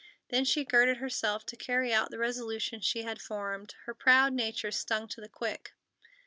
Then she girded herself to carry out the resolution she had formed, her proud nature stung to the quick.